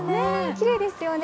きれいですよね。